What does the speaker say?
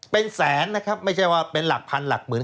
เป็นแสนนะครับไม่ใช่ว่าเป็นหลักพันหลักหมื่น